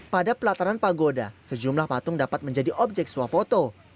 pada pelataran pagoda sejumlah patung dapat menjadi objek swafoto